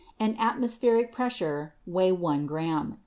and atmospheric pressure weigh one gram.